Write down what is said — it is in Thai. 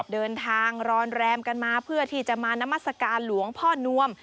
เดินทางรอนแรมกันมาเพื่อที่จะมานามัศกาลหลวงพ่อนวม